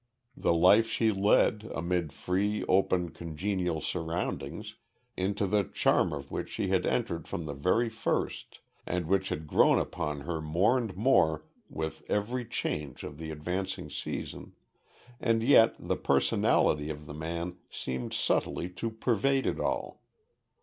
The life she led, amid free, open, congenial surroundings, into the charm of which she had entered from the very first, and which had grown upon her more and more with every change of the advancing season and yet the personality of the man seemed subtly to pervade it all.